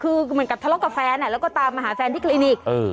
คือเหมือนกับทะเลาะกับแฟนแล้วก็ตามมาหาแฟนที่คลินิก